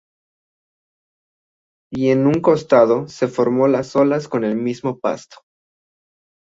Y en un costado, se formó las olas con el mismo pasto.